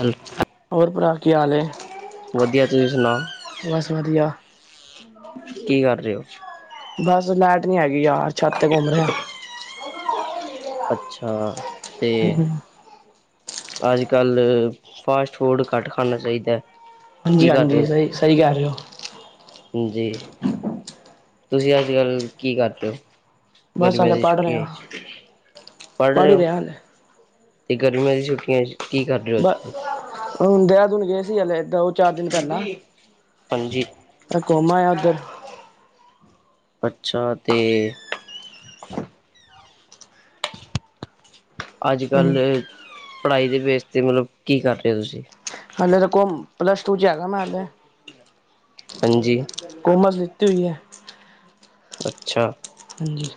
ਹੈਲ ਹੋਰ ਭਰਾ ਕੀ ਹਾਲ ਏ? ਵਧੀਆ ਤੁਸੀਂ ਸੁਣਾਓ? ਬਸ ਵਧੀਆ। ਕੀ ਕਰ ਰੇ ਓ? ਬਸ ਲੈਟ ਨੀ ਹੈਗੀ ਯਾਰ ਛੱਤ ਤੇ ਘੁੰਮ ਰਿਆ। ਅੱਛਾ ਤੇ ਅੱਜ ਕੱਲ੍ਹ ਫਾਸਟ ਫੂਡ ਘੱਟ ਖਾਣਾ ਚਾਈਦੈ। ਹਾਂਜੀ-ਹਾਂਜੀ ਸਈ-ਸਈ ਕੈ ਰੇ ਓ। ਜੀ ਤੁਸੀਂ ਅੱਜ ਕੱਲ ਕੀ ਕਰਦੇ ਓ? ਬਸ ਗਰਮੀਆਂ ਹਾਲੇ ਦੀ ਪੜ੍ਹ ਰਿਹਾ ਛੁੱਟੀਆਂ [unintelligible] ਪੜ੍ਹ ਰੇ ਹੀ ਓ? ਰਿਹਾ ਹਾਲੇ। ਤੇ ਗਰਮੀਆਂ ਦੀ ਛੁੱਟੀਆਂ ਕੀ ਕਰ ਰੇ ਓ ਅੱਜ ਬ ਕੱਲ੍ਹ? ਹੁਣ ਦੇਰਾਦੂਨ ਗਏ ਸੀ ਹਲੇ ਏਦਾਂ ਚਾਰ ਦਿਨ ਪੈਲਾਂ ਹਾਂਜੀ ਮ ਘੁੰਮ ਆਇਆ ਉੱਧਰ। ਅੱਛਾ ਤੇ ਅੱਜ ਹੂੰ। ਕੱਲ੍ਹ ਪੜ੍ਹਾਈ ਦੇ ਬੇਸ ਤੇ ਮਤਲਬ ਕੀ ਕਰ ਰੇ ਓ ਤੁਸੀਂ? ਹਲੇੇ ਤਾਂ ਕੁਮ ਪਲੱਸ ਟੂ ਚ ਹੈਗਾ ਮੈਂ ਹਾਲੇ। ਹਾਂਜੀ। ਕੋਮਰਸ ਲਿਤੀ ਹੋਈ ਐ। ਅੱਛਾ। ਹਾਂਜੀ।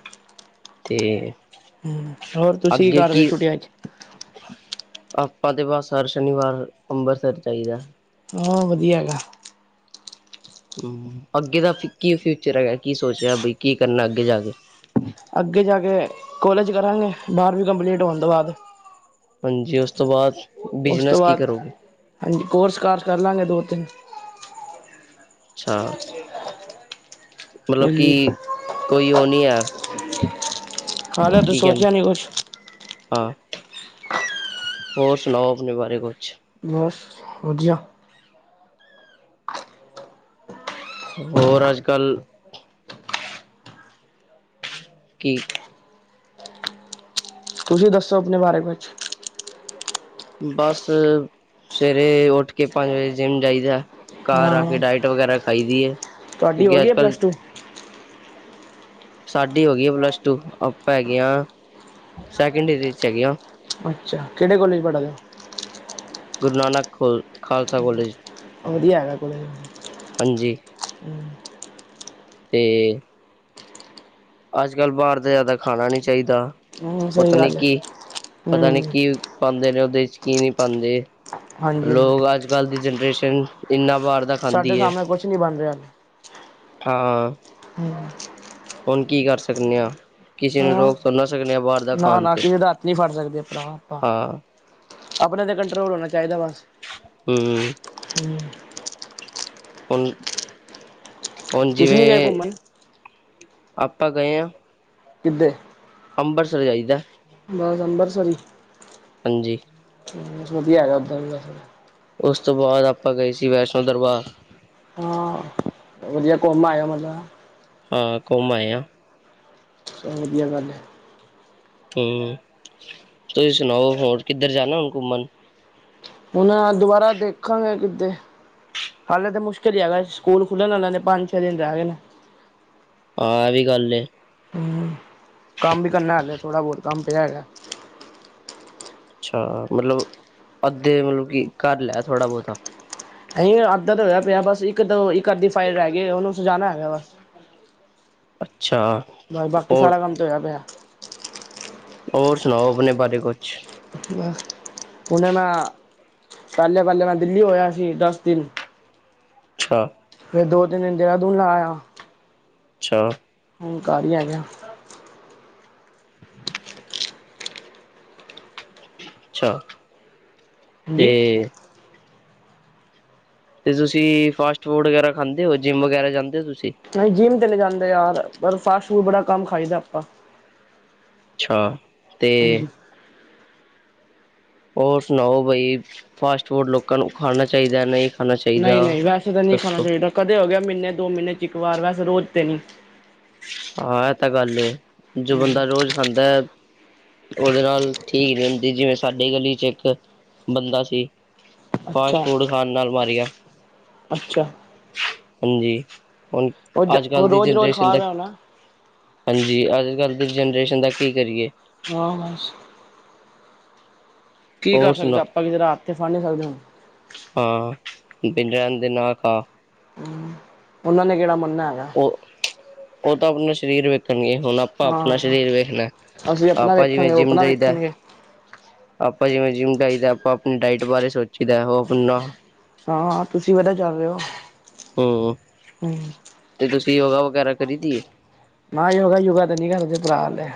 ਠੀਕ ਏ ਹੂੰ ਹੋਰ ਤੁਸੀਂ ਕੀ ਕਰ ਰੇ ਛੁੱਟੀਆਂ ਚ? ਆਪਾਂ ਤੇ ਬਸ ਹਰ ਸ਼ਨੀਵਾਰ ਅੰਬਰਸਰ ਜਾਈਦੈ। ਹਾਂ ਵਧੀਆ ਹੈਗਾ। ਹੂੰ ਅੱਗੇ ਦਾ ਕੀ ਫਿਊਚਰ ਹੈਗਾ ਕੀ ਸੋਚਿਆ ਬਈ ਕੀ ਕਰਨਾ ਅੱਗੇ ਜਾ ਕੇ। ਅੱਗੇ ਜਾ ਕੇ ਕੋਲਜ ਕਰਾਂਗੇ ਬਾਰ੍ਹਵੀਂ ਕੰਪਲੀਟ ਹੋਣ ਤੋਂ ਬਾਦ। ਹਾਂਜੀ ਉਸ ਤੋਂ ਬਾਦ? ਉਸ ਤੋਂ ਬਾਦ ਹਾਂਜੀ ਕੋਰਸ ਕਾਰਸ ਕਰ ਲਾਂਗੇ ਦੋ ਤਿੰਨ। ਅੱਛਾ ਮਤਲਬ ਕੀ ਹਾਂਜੀ। ਕੋਈ ਓ ਨੀ ਐ ਹਾਲੇ ਤੂੰ ਸੋਚਿਆ ਨੀ ਕੁੱਛ। ਹਾਂ। ਹੋਰ ਸੁਣਾਓ ਆਪਣੇ ਬਾਰੇ ਕੁੱਛ? ਬਸ ਵਧੀਆ। ਹੋਰ ਅੱਜ ਕੱਲ੍ਹ ਕੀ ਤੁਸੀਂ ਦੱਸੋ ਆਪਣੇ ਬਾਰੇ ਕੁਝ ਬਸ ਸਵੇਰੇ ਉੱਠ ਕੇ ਪੰਜ ਵਜੇ ਜਿੰਮ ਜਾਈਦਾ ਘਰ ਹਾਂ ਆ ਕੇ ਡਾਇਟ ਵਗੈਰਾ ਖਾਈ ਦੀ ਏ। ਤੁਹਾਡੀ ਹੋ ਗਈ ਹੈ ਪਲੱਸ ਟੂ। ਸਾਡੀ ਹੋ ਗਈ ਆ ਪਲੱਸ ਟੂ ਆਪਾਂ ਹੈਗੇ ਹ ਸੈਕਿੰਡ ਏਯਰ ਚ ਹੈਗੇ ਹਾਂ। ਅੱਛਾ ਕਿਹੜੇ ਕੋਲੇਜ ਪੜ੍ਹਾਦੇ। ਗੁਰੂ ਨਾਨਕ ਖਲ ਖਾਲਸਾ ਕਾਲਜ। ਵਧੀਆ ਹੈਗਾ ਕਾਲਜ ਤੇ। ਹਾਂਜੀ। ਹਮ [unintelligible] ਤੇ ਅੱਜ-ਕੱਲ ਬਾਹਰ ਦਾ ਜ਼ਿਆਦਾ ਖਾਣਾ ਨੀ ਚਾਹੀਦਾ ਹੂੰ ਸਹੀ ਪਤਾ ਨੀ ਗੱਲ ਹੈ ਕੀ ਪਤਾ ਨੀ ਹੂੰ ਕੀ ਪਾਉਂਦੇ ਨੇ ਉਹਦੇ ਚ ਕੀ ਨਹੀਂ ਪਾਉਂਦੇ ਹਾਂਜੀ ਲੋਕ ਹਾਂਜੀ ਅੱਜ ਕੱਲ ਦੀ ਜਨਰੇਸ਼ਨ ਇੰਨਾ ਵਾਰ ਦਾ ਸਾਡੇ ਖਾਂਦੀ ਹੈ ਸਾਹਮਣੇ ਕੁਛ ਨੀ ਬਣ ਰਿਹਾ। ਹਾਂ ਹਮ [inaudible] ਹੁਣ ਕੀ ਕਰ ਸਕਣੇ ਆ। ਕਿਸੇ ਨੂੰ ਹਾਂ ਰੋਕ ਸੁ ਨਾ ਸਕਦੇ ਆ ਬਾਹਰ ਦਾ ਨਾ ਖਾਣ ਨਾ ਤੋ ਕਿਸੇ ਦਾ ਹੱਥ ਨਹੀਂ ਫੜ ਸਕਦੇ ਭਰਾ ਆਪਾਂ ਹਾਂ। ਆਪਣੇ ਤੇ ਕੰਟਰੋਲ ਹੋਣਾ ਚਾਹੀਦਾ ਬਸ। ਹਮ ਹੁਣ ਹੁਣ ਤੁਸੀਂ ਨੀ ਗਏ ਜਿਵੇਂ ਘੁੰਮਣ ਆਪਾਂ ਗਏ ਆਂ ਕਿੱਧੇ ਅੰਬਰਸਰ ਜਾਈਦੈ। ਬਸ ਅੰਬਰਸਰ ਇ। ਹਾਂਜੀ। ਵਧੀਆ ਹੈਗਾ ਉੱਧਰ ਦਾ ਸਬ। ਉਸ ਤੋਂ ਬਾਅਦ ਆਪਾਂ ਗਏ ਸੀ ਵੈਸ਼ਨੋ ਦਰਬਾਰ। ਹਾਂ ਵਧੀਆ ਕੋਮ ਆਔ ਮਤਲਬ ਆ ਕੋਮਾਇਆ ਸੋ ਵਧੀਆ ਗੱਲ ਏ। ਹੂੰ ਤੁਸੀਂ ਸੁਣਾਓ ਹੋਰ ਕਿੱਧਰ ਜਾਣਾ ਹੁਣ ਘੁੰਮਣ? ਹੁਣ ਅ ਦੁਬਾਰਾ ਦੇਖਾਂਗੇ ਕਿਤੇ। ਹਾਲੇ ਤਾਂ ਮੁਸ਼ਕਿਲ ਹੀ ਹੈਗਾ ਸਕੂਲ ਖੁੱਲ੍ਹਣ ਵਾਲਿਆਂ ਨੇ ਪੰਜ ਛੇ ਦਿਨ ਰੈਹਗਏ ਨੇ। ਆ ਇਹ ਵੀ ਗੱਲ ਏ। ਹੂੰ ਕੰਮ ਵੀ ਕਰਨਾ ਹਲੇੇ ਥੋੜਾ ਬਹੁਤ ਕੰਮ ਪਿਆ ਹੈਗਾ। ਅੱਛਾ ਮਤਲਬ ਅੱਧੇ ਮਤਲਬ ਕਿ ਕਰ ਲੈ ਥੋੜਾ ਬਹੁਤਾ। ਨਹੀਂ ਅੱਧਾ ਤਾਂ ਹੋਇਆ ਪਿਆ ਬਸ ਇੱਕ-ਦੋ ਇ ਕਰਦੀ ਫਾਈਲ ਰਹਿ ਗਈ ਉਹਨੂੰ ਸਜਾਣਾ ਹੈਗਾ ਬਸ ਅੱਛਾ ਬਸ ਬਾਕੀ ਹੋਰ ਸਾਰਾ ਕੰਮ ਤੇ ਹੋਯਾ ਪਿਆ। ਹੋਰ ਸੁਣਾਓ ਆਪਣੇ ਬਾਰੇ ਕੁਛ। ਹੁਨ ਮੈਂ ਪਹਿਲੇ ਪਹਿਲੇ ਮੈਂ ਦਿੱਲੀ ਹੋਇਆ ਸੀ ਦਸ ਦਿਨ ਅੱਛਾ। ਫੇਰ ਦੋ-ਤਿੰਨ ਦਿਨ ਦੇਹਰਾਦੂਨ ਲਾ ਆਇਆ। ਅੱਛਾ। ਹੁਣ ਘਰ ਹੀ ਹੈਗੇਆ। ਅੱਛਾ ਤੇ ਹਾਂਜੀ ਤੇ ਤੁਸੀਂ ਫਾਸਟ ਫੂਡ ਵਗੈਰਾ ਖਾਂਦੇ ਹੋ ਜਿੰਮ ਵਗੈਰਾ ਜਾਂਦੇ ਹੋ ਤੁਸੀਂ। ਨਹੀਂ ਜਿੰਮ ਤੇ ਚਲੇ ਜਾਂਦੇ ਆਂ, ਪਰ ਫਾਸਟ ਫੂਡ ਬੜਾ ਕੰਮ ਖਾਈਦਾ ਆਪਾ। ਅੱਛਾ ਤੇ ਹਾਂਜੀ ਔਰ ਸੁਣਾਓ ਬਾਈ ਫਾਸਟ ਫੂਡ ਲੋਕਾਂ ਨੂੰ ਖਾਣਾ ਚਾਹੀਦਾ ਨਹੀਂ। ਖਾਣਾ ਚਾਹੀਦਾ ਨਹੀਂ - ਨਹੀਂ ਵੈਸੇ ਤਾਂ ਨਹੀਂ ਖਾਣਾ ਦੱਸੋ ਚਾਹੀਦਾ, ਕਦੇ ਹੋ ਗਿਆ ਮਹੀਨੇ ਦੋ ਮਹੀਨੇ ਚ ਇੱਕ ਵਾਰ ਵੈਸੇ ਰੋਜ਼ ਤੇ ਨੀ। ਆਂ ਇਹ ਤਾਂ ਗੱਲ ਏ ਜੋ ਬੰਦਾ ਰੋਜ਼ ਖਾਂਦਾ ਹੈ। ਉਹਦੇ ਨਾਲ ਠੀਕ ਰਦੀ ਜਿਵੇਂ ਸਾਡੇ ਗਲੀ ਚ ਇੱਕ ਬੰਦਾ ਸੀ। ਫਾਸਟ ਅੱਛਾ ਫੂਡ ਖਾਣ ਨਾਲ ਮਾਰੀਆਂ। ਅੱਛਾ। ਹਾਂਜੀ ਹੁਣ ਉਹ ਜ ਅੱਜ - ਉਹ ਕੱਲ ਦੀ ਰੋਜ਼ ਰੋਜ਼ ਜਨਰੇਸ਼ਨ ਖਾ ਦਾ। ਰਿਹਾ ਹੋਣਾ ਹਾਂਜੀ ਅੱਜ - ਕੱਲ ਦੀ ਜਨਰੇਸ਼ਨ ਦਾ ਕੀ ਕਰੀਏ। ਹਾਂ ਬੱਸ। ਕੀ ਕਰ ਹੋਰ ਸਕਦਾ ਸੁਣਾ ਆਪ ਕਿਸ ਹੱਥ ਤੇ ਫੜ ਨਹੀਂ ਸਕਦੇ ਹੁਣ। ਹਾਂ ਬਿਨ ਰਹਿਣ ਦੇ ਨਾ ਖਾ। ਉਹਨਾਂ ਨੇ ਕਿਹੜਾ ਮੰਣਨਾ ਹੈਗਾ। ਔ ਤਾਂ ਆਪਣਾ ਸਰੀਰ ਵੇਖਣਗ ਹੁਣ। ਆਪਣਾ ਹਾਂ ਸਰੀਰ ਵੇਖਣਾ ਅਸੀਂ ਆਪਣਾ ਆਪਾਂ ਜਿਵੇਂ ਵੇਖਾਂਗੇ ਉਹ ਜਿੰਮ ਆਪਣਾ ਜਾਈਦਾ। ਵੇਖਣਗੇ ਆਪਾਂ ਜਿਵੇਂ ਜਿੰਮ ਜਾਈਦਾ ਆਪਾਂ ਆਪਣੀ ਡਾਇਟ ਬਾਰੇ ਸੋਚੀ ਦਾ ਉਹ ਆਪਣਾ। ਹਾਂ - ਹਾਂ ਤੁਸੀਂ ਵਧੀਆ ਚੱਲ ਰਹੇ ਹੋ। ਹਮ ਹੂੰ ਤੇ ਤੁਸੀਂ ਯੋਗਾ ਵਗੈਰਾ ਦਰੀਦੀ ਏ। ਨਾ ਯੋਗਾ ਯੌਗਾ ਤੇ ਨੀ ਕਰਦੇ ਭਰਾ ਲੈ।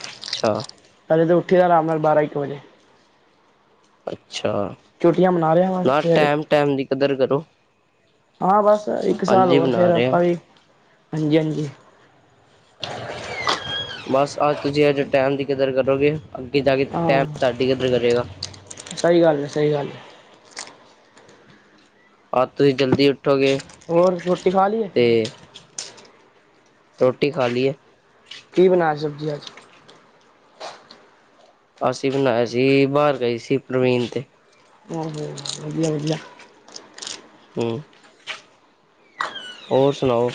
ਅੱਛਾ। ਪਹਿਲੇ ਤਾਂ ਉਠਿਆ ਆਰਾਮ ਨਾਲ ਬਾਰਾਂ ਇੱਕ ਵਜੇ। ਅੱਛਾ ਛੁੱਟੀਆਂ ਮਨਾ ਰਿਹਾ ਬਸ ਨਾ ਫਿਰ ਟੈੲਮ- ਟੈੲਮ ਦੀ ਕਦਰ ਕਰੋ। ਹਾਂ ਬਸ ਇੱਕ ਸਾਲ ਹਾਂਜੀ ਹੋਰ ਫਿਰ ਬਣਾ ਰਿਹਾ ਆਪਾਂ ਵੀ ਹਾਂਜੀ - ਹਾਂਜੀ। ਬਸ ਅੱਜ ਤੁਸੀਂ ਅਜੇ ਟੈਮ ਦੀ ਕਦਰ ਕਰੋਗੇ। ਏਦ ਕੇ ਹਾਂ ਟੈਮ ਤੁਹਾਡੀ ਕਦਰ ਕਰੇਗਾ। ਸਹੀ ਗੱਲ ਏ ਸਹੀ ਗੱਲ ਏ। ਅੱਜ ਤੁਸੀਂ ਜਲਦੀ ਉਠੋਗੇ। ਹੋਰ ਰੋਟੀ ਖਾਲੀ ਏ। ਰੋਟੀ ਖਾ ਲਈਏ। ਕੀ ਬਣਾਆ ਸਬਜ਼ੀ ਅੱਜ। ਅਸੀਂ ਬਣਾਇਆ ਸੀ ਬਾਹਰ ਗਈ ਸੀ ਪਰਵੀਨ ਤੇ। ਆਹੋ ਵਧੀਆ - ਵਧੀਆ। ਹਮ [unintelligible] ਔਰ ਸੁਣਾਓ।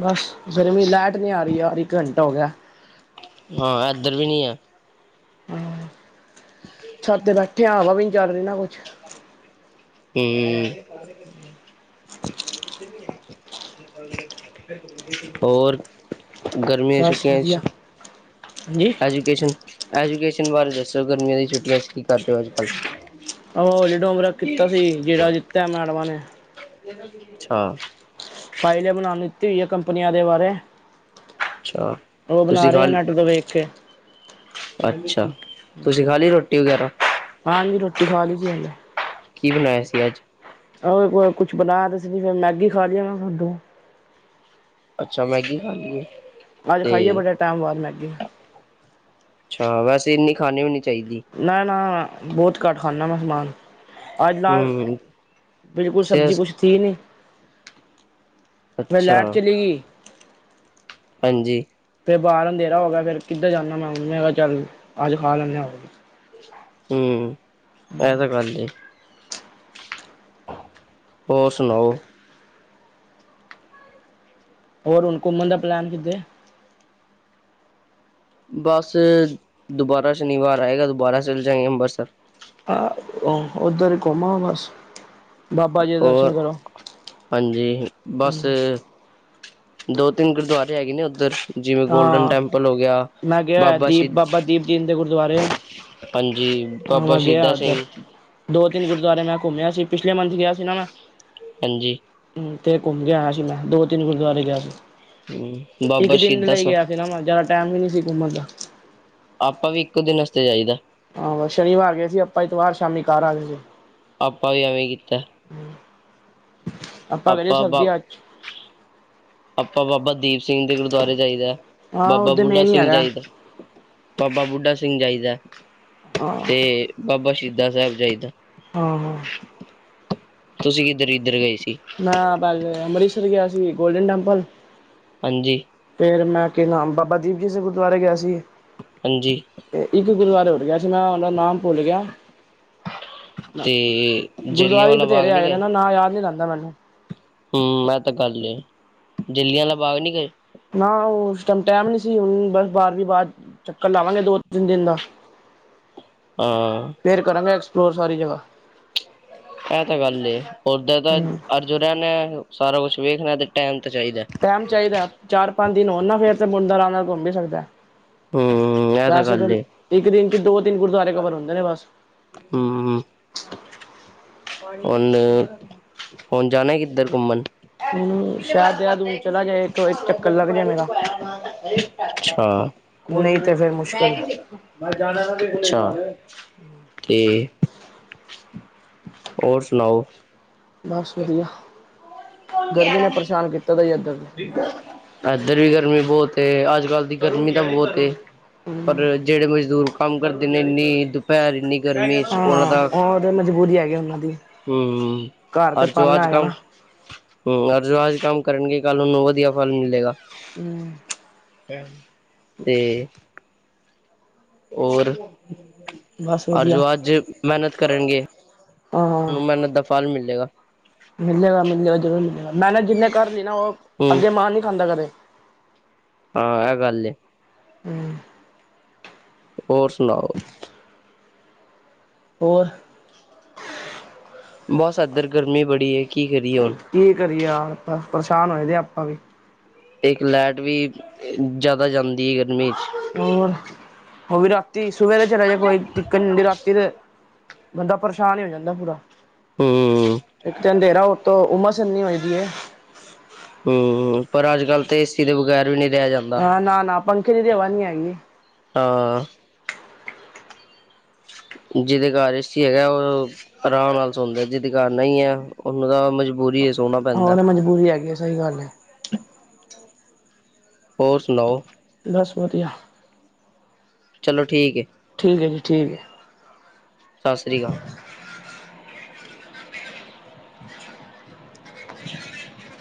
ਬਸ ਗਰਮੀ ਲੈਟ ਨੀ ਆ ਰਹੀ ਯਾਰ ਇੱਕ ਘੰਟਾ ਹੋ ਗਿਆ। ਹਾਂ ਇਧਰ ਵੀ ਨੀ ਹੈ। ਹਾਂ [unintelligible] ਛੱਤ ਤੇ ਬੈਠੇ ਆਂ ਹਵਾ ਵੀ ਨੀ ਚੱਲ ਰਹੀ ਨਾ ਕੁੱਛ। ਹਮ [unintelligible] ਹੋਰ। ਗਰਮੀਆਂ ਦੀ ਬਸ ਛੁੱਟੀਆਂ ਵਧੀਆ, ਚ ਹਾਂਜੀ। ਐਜੂਕੇਸ਼ਨ - ਐਜੂਕੇਸ਼ਨ ਬਾਰੇ ਦੱਸੋ ਗਰਮੀਆਂ ਦੀ ਛੁੱਟੀਆਂ ਚੱ ਕੀ ਕਰਦੇ ਹੋ ਅੱਜ - ਕੱਲ। ਉ ਹੋਲੀਡੇ ਹੋਮਵਰਕ ਕੀਤਾ ਸੀ, ਜਿਹੜਾ ਦਿੱਤਾ ਏ ਮੈਡਮਾਂ ਨੇ। ਅੱਛਾ। ਫਾਈਲ ਬਨਾਣ ਦਿੱਤੀ ਹੋਈ ਹੈ ਕੰਪਨੀਆਂ ਦੇ ਬਾਰੇ। ਅੱਛਾ ਉਹ ਬਨਾ ਤੁਸੀਂ ਰਹੇ ਖਾ ਆ ਨੈਟ ਤੋਂ ਵੇਖ ਕੇ। ਅੱਛਾ ਤੁਸੀਂ ਖਾ ਲਈ ਰੋਟੀ ਵਗੈਰਾ ਹਾਂਜੀ ਰੋਟੀ ਖਾ ਲਈ ਸੀ ਪਹਲੇ। ਕੀ ਬਨਾਇਆ ਸੀ ਅੱਜ ਉਹ ਕੁੱਛ ਬਣਾਇਆ ਤਾਂ ਨਹੀਂ ਸੀ ਫਿਰ ਮੈਗੀ ਖਾ ਲਈ ਹੁਣ ਤੇ [unintelligible] ਅੱਛਾ ਮੈਗੀ ਖਾਂਦੀ ਹੈ। ਅੱਜ ਖਾਈਏ ਬੜੇ ਟੈਮ ਬਾਅਦ ਮੈਗੀ। ਅੱਛਾ ਵੈਸੇੰ ਇੰਨੀ ਖਾਨੀ ਵੀ ਨੀ ਚਾਹੀਦੀ। ਨਾ ਨਾ ਬੋਤ ਘੱਟ ਖਾਂਨਾ ਮੈਂ ਸਮਾਨ। ਅੱਜ ਨਾਲ ਹੂੰ ਬਿਲਕੁੱਲ ਸਬਜ਼ੀ ਸਿਹਤ ਕੁੱਸ਼ ਥੀ ਨਹੀਂ ਫੇਰ ਅੱਛਾ ਲੈਟ ਚਲੀ ਗਈ। ਹਾਂਜੀ। ਫੇਰ ਬਾਹਰ ਅੰਧੇਰਾ ਹੋ ਗਿਆ ਫੇਰ ਕਿੱਧਰ ਜਾਂਦਾ ਮੈਂ ਹੁਨ ਮੈਂ ਕਿਹਾ ਚੱਲ ਅੱਜ ਖਾ ਲੈਂਨੇ ਆ ਹੁ ਐ ਤਾਂ ਗੱਲ ਏ। ਹੋਰ ਸੁਨਾਓ ਹੋਰ ਹੁਨ ਘੁੰਮਣ ਦਾ ਪਲੈਨ ਕਿੱਥੇ ਬਸ ਦੁਬਾਰਾ ਸ਼ਨੀਵਾਰ ਆਏਗਾ ਦੁਬਾਰਾ ਚਲੇ ਜਾਂਗੇ ਅੰਬਰਸਰ। ਆਹ ਉੱਧਰ ਘੂੰਮ ਆਉ ਬਸ ਬਾਬਾ ਜੀ ਦੇ ਦਰਸ਼ਨ ਹੋਰ ਕਰੋ ਹਾਂਜੀ ਬਸ ਦੋ ਤਿੰਨ ਗੁਰੂਦੁਆਰੇ ਹੈਗੇ ਨੇ ਉੱਧਰ। ਜਿਵੇਂ ਗੋਲਡਨ ਹਾਂ ਟੈਂਪਲ ਹੋ ਗਿਆ ਮੈਂ ਗਿਆ ਬਾਬਾ ਦੀਪ ਸ਼ਹੀਦ ਬਾਬਾ ਦੀਪ ਜੀ ਦੇ ਗੁਰਦੁਆਰੇ ਹਾਂਜੀ ਹਾਂ ਬਾਬਾ ਮੈਂ ਗਿਆ ਸ਼ਹੀਦਾ ਸਿੰਘ ਉੱਧਰ ਦੋ ਤਿੰਨ ਗੁਰਦੁਆਰੇ ਮੈਂ ਘੁੰਮਿਆ ਸੀ ਪਿਛਲੇ ਮੰਥ ਗਿਆ ਸੀ ਨਾ ਮੈਂ ਹਾਂਜੀ ਹੁ ਤੇ ਘੁੰਮ ਕੇ ਆਇਆ ਸੀ ਮੈਂ ਦੋ ਤਿੰਨ ਗੁਰਦੁਆਰੇ ਗਿਆ ਸੀ। ਹੂੰ ਬਾਬਾ ਇੱਕ ਦਿਨ ਸ਼ਹੀਦਾ ਲਈ ਸ ਗਿਆ ਸੀ ਨਾ ਮੈਂ ਜੈਂਦਾ ਟੈਮ ਵੀ ਨਹੀਂ ਸੀ ਘੁੰਮਨ ਦਾ। ਆਪਾਂ ਵੀ ਇੱਕੋ ਦਿਨ ਆਸਤੇ ਜਾਈਦਾ। ਹਾਂ ਬਸ ਸ਼ਨੀਵਾਰ ਗਏ ਸੀ ਆਪਾਂ ਐਤਵਾਰ ਸ਼ਾਮੀ ਘਰ ਆ ਗਏ ਸੀ। ਆਪਾਂ ਵੀ ਐਵੇਂ ਕੀਤਾ। ਆਪਾਂ ਕਏ ਸਰਬਜ਼ੀਆਂ [unintelligible] [unintelligible] ਆਪਾਂ ਬਾਬਾ ਦੀਪ ਸਿੰਘ ਦੇ ਗੁਰਦੁਆਰੇ ਜਾਈਦਾ ਹਾਂ ਬਾਬਾ ਉਹਦੇ ਬੁੱਢਾ ਮੇਨ ਹੀ ਸਿੰਘ ਹੈਗਾ ਜਾਈਦਾ। ਬਾਬਾ ਬੁੱਢਾ ਸਿੰਘ ਜਾਈਦਾ ਹਾਂ ਤੇ ਬਾਬਾ ਸ਼ਹੀਦਾ ਸਾਹਿਬ ਜਾਈਦਾ। ਹਾਂ ਹਾਂ ਤੁਸੀਂ ਕਿੱਧਰ ਕਿੱਧਰ ਗਏ ਸੀ ਮੈਂ ਬਸ ਅੰਮ੍ਰਿਤਸਰ ਗਿਆ ਸੀ ਗੋਲਡਨ ਟੈਂਪਲ। ਹਾਂਜੀ। ਫੇਰ ਮੈਂ ਕਿ ਨਾਮ ਬਾਬਾ ਦੀਪ ਜੀ ਦੇ ਗੁਰਦੁਆਰੇ ਗਿਆ ਸੀ। ਹਾਂਜੀ। ਤੇ ਇੱਕ ਗੁਰਦੁਆਰੇ ਹੋਰ ਗਿਆ ਸੀ ਮੈਂ ਉਹਦਾ ਨਾਮ ਭੁੱਲ ਗਿਆ ਤੇ ਜਲਿਆਂ ਗੁਰਦੁਆਰੇ ਈ ਵਾਲਾ ਬਾਗ ਬਥੇਰੇ ਨੀ ਹੇਗੇ ਨੇ ਨਾ ਨਾ ਯਾਦ ਨਹੀਂ ਰਹਿੰਦਾ ਮੈਨੂੰ। ਹ [unintelligible] [unintelligible] ਹੁ ਮੈਂ [unintelligible] ਤਾਂ ਗੱਲ ਹੈ ਜਲਿਆਂ ਆਲਾ ਬਾਗ ਨਹੀਂ ਗਏ ਨਾ ਉਸ ਟਾਈਮ ਟੈਮ ਨੀ ਸੀ ਹੁਨ ਬਸ ਬਾਅਦ ਦੀ ਬਾਅਦ ਚੱਕਰ ਲਾਵਾਂਗੇ ਦੋੋ ਤਿੰਨ ਦਿਨ ਦਾ। ਆ ਫੇਰ ਕਰਾਂਗੇ ਐਕਸਪਲੋਰ ਸਾਰੀ ਜਗਾ। ਐ ਤਾ ਗੱਲ ਏ ਓਦਾ ਤਾਂ ਹੂੰ [unintelligible] ਹੋਰਾ ਨੇ ਸਾਰਾ ਕੁੱਛ ਵੇਖਣਾ ਤੇ ਟੈਮ ਤਾਂ ਚਾਈਦਾ। ਟੈਮ ਚਾਈਦਾ, ਚਾਰ ਪੰਜ ਦਿਨ ਹੋਨ ਨਾ ਫੇਰ ਤੇ ਬੁੰਦਾ ਆਰਾਮ ਨਾਲ ਘੁੰਮ ਵੀ ਸਕਦਾ। ਹੂੰ ਇਹ ਵੈਸੇ ਤਾਂ, ਗੱਲ ਏ। ਇੱਕ ਦਿਨ ਚ ਦੋ-ਤਿੰਨ ਗੁਰਦੁਆਰੇ ਕਵਰ ਹੁੰਦੇ ਨੇ ਬਸ। ਹੂੰ। ਹੁਨ, ਹੁਨ ਜਾਣਾ ਏ ਕਿੱਦਰ ਘੁੰਮਣ? ਹੁਣ ਸ਼ਾਇਦ ਦੇਹਰਾਦੂਨ ਚਲਾ ਜਾਏ ਇੱਕ ਇੱਕ ਚੱਕਰ ਲੱਗ ਜਾਏ ਮੇਰਾ ਅੱਛਾ। ਨਹੀਂ ਤੇ ਫਿਰ ਮੁਸ਼ਕਿਲ ਹੈ ਅੱਛਾ ਤੇ ਹੋਰ ਸੁਣਾਓ? ਬਸ ਵਦੀਆ, ਕੌਣ ਗਰਮੀ ਨੇ ਪਰੇਸ਼ਾਨ ਕੀਤਾ ਦਾ ਈ ਏਦਰ। ਏਦਰ ਵੀ ਗਰਮੀ ਬੋਤ ਏ ਅੱਜ-ਕੱਲ ਦੀ ਗਰਮੀ ਤਾਂ ਬੋਤ ਏ, ਹਮ ਪਰ ਜੇੜੇ ਮਜ਼ਦੂਰ ਕੰਮ ਕਰਦੇ ਨੇ ਇੰਨੀ ਦੁਪੈਰ ਇੰਨੀ ਗਰਮੀ ਚ ਉਹਨਾਂ ਹਾਂ ਦਾ ਔਰ ਮਜਬੂਰੀ ਹੈਗੀ ਓਨਾਂ ਦੀ। ਹੂੰ ਘਰ ਤੇ ਅਰ ਜੋ ਆਜ ਪਾਲਣਾ ਹੈਗਾ ਕਮ ਨਾ ਹੂੰ ਅਰ ਜੋ ਆਜ ਕੰਮ ਕਰਨਗੇ ਕੱਲ ਓਨੂੰ ਵਦੀਆ ਫਲ ਮਿਲੇਗਾ। ਹੂੰ। ਤੇ ਔਰ, ਬਸ ਅਰ ਵਧੀਆ ਜੋ ਅੱਜ ਮੈਨਤ ਕਰਨਗੇ ਹਾਂ ਓਨੂੰ ਮੈਨਤ ਦਾ ਫਲ ਮਿਲੇਗਾ। ਮਿਲੇਗਾ, ਮਿਲੇੇਗਾ ਜ਼ਰੂਰ ਮਿਲੇਗਾ ਮੈਂਨਤ ਜਿੰਨੇ ਕਰ ਲਈ ਨਾ ਓ ਹੂੰ ਅੱਗੇ ਮਾਰ ਨੀ ਖਾਂਦਾ ਕਦੇ। ਹਾਂ ਐ ਗੱਲ ਏ। ਹਮ ਹੋਰ ਸੁਣਾਓ? ਹੋਰ? ਬਸ ਏਦਰ ਗਰਮੀ ਬੜੀ ਐ ਕੀ ਕਰੀਏ ਹੁਨ। ਕੀ ਕਰੀਏ ਯਾ ਆਪਾ ਪਰੇਸ਼ਾਨ ਹੋਏਦੇ ਆਪਾ ਵੀ ਇੱਕ ਲੈਟ ਵੀ ਜ਼ਾਦਾ ਜਾਂਦੀ ਐ ਗਰਮੀ ਚ। ਹੋਰ, ਓ ਵੀ ਰਾਤੀ ਸੁਬੇ ਤੇ ਚਲੇ ਜੇ ਕੋਈ ਦਿੱਕਤ ਨੀ ਹੁੰਦੀ ਰਾਤੀ ਤੇ ਬੰਦਾ ਪਰੇਸ਼ਾਨ ਈ ਹੋ ਜਾਂਦਾ ਪੂਰਾ, ਹੂੰ ਇੱਕ ਤੇ ਅੰਦੇਰਾ ਉਤੋਂ ਓਮਸ ਇੰਨੀ ਹੋਈਦੀ ਏ। ਹੂੰ, ਪਰ ਅੱਜ-ਕੱਲ ਤੇ ਏਸੀ ਦੇ ਬਗੈਰ ਵੀ ਨੀ ਰਿਆ ਜਾਂਦਾ। ਹੈ ਨਾ-ਨਾ ਪੰਖੇ ਦੀ ਤੇ ਹਵਾ ਨੀ ਹੈਗੀ। ਹਾਂ। ਜੀਦੇ ਘਰ ਏਸੀ ਹੈਗਾ ਓ ਆਰਾਮ ਨਾਲ ਸੌਂਦਾ, ਜੀਦੇ ਘਰ ਨਈਂ ਐ, ਓਨੂੰ ਤਾਂ ਮਜਬੂਰੀ ਐ ਸੋਣਾ। ਪੈਂਦਾ ਓਨੂੰ ਮਜਬੂਰੀ ਹੈਗੀ ਐ ਸਈ ਗੱਲ ਐ। ਹੋਰ ਸੁਣਾਓ? ਦਸ ਵਦੀਆ। ਚਲੋ ਠੀਕ ਐ। ਠੀਕ ਐ ਜੀ ਠੀਕ ਐ। ਸਸ੍ਰੀ ਕਾਲ। [inaudible]